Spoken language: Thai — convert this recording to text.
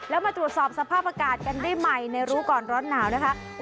แล้วมาตรวจสอบสภาพอากาศกันได้ใหม่ในรู้ก่อนร้อนหนาวนะคะ